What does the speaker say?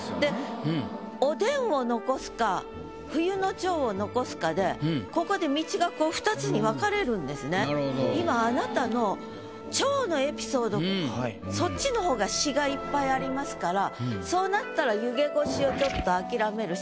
「おでん」を残すか「冬の蝶」を残すかでここで今あなたのそっちの方が詩がいっぱいありますからそうなったら「湯気越し」をちょっと諦めるしかないんですが